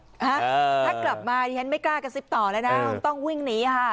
ถ้ากลับมาดิฉันไม่กล้ากระซิบต่อแล้วนะต้องวิ่งหนีค่ะ